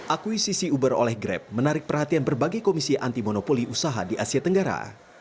akuisisi uber oleh grab menarik perhatian berbagai komisi anti monopoli usaha di asia tenggara